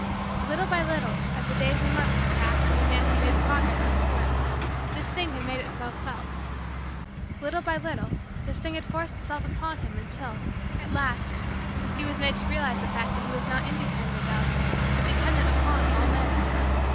Little by little, as the days and months had passed and the man had made progress in his work, this thing had made itself felt. Little by little, this thing had forced itself upon him until, at last, he was made to realize the fact that he was not independent of but dependent upon all men.